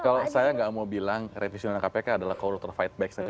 kalau saya gak mau bilang revisi kpk adalah koruptor fight back